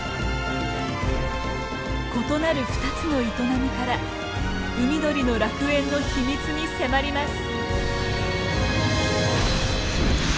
異なる２つの営みから海鳥の楽園の秘密に迫ります。